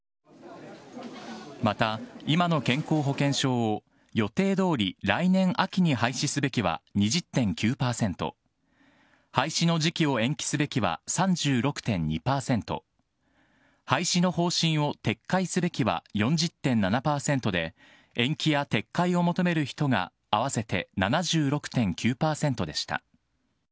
また、今の健康保険証を予定どおり来年秋に廃止すべきは２０．９％廃止の時期を延期すべきは３６．２％、廃止の方針を撤回すべきは４０．７％で、延期や撤回を求める人が合わせて７６．９％でした。